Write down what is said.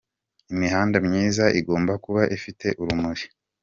Imihanda myiza igomba kuba ifite urumuri.